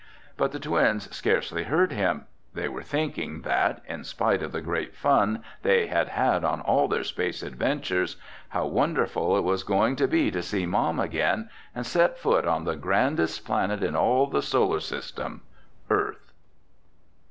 But the twins scarcely heard him. They were thinking that, in spite of the great fun they had had on all their space adventures, how wonderful it was going to be to see Mom again and set foot on the grandest planet in all the Solar System—Earth!